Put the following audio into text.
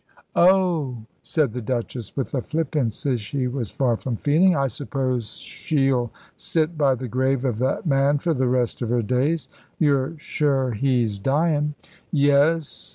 "Oh," said the Duchess, with a flippancy she was far from feeling, "I suppose shell sit by the grave of that man for the rest of her days." "You're sure he's dyin'?" "Yes!"